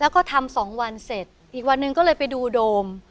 แล้วก็ทำ๒วันเสร็จอีกวันหนึ่งก็เลยไปดูโดม